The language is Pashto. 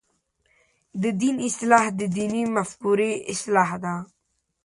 د دین اصلاح د دیني مفکورې اصلاح ده.